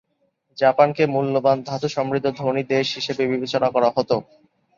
জাপানকে মূল্যবান ধাতু সমৃদ্ধ ধনী দেশ হিসেবে বিবেচনা করা হত।